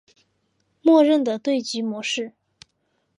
默认的对局模式。